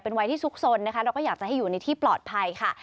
วัยที่ซุกสนนะคะเราก็อยากจะให้อยู่ในที่ปลอดภัยค่ะ